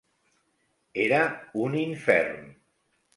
Era un infern.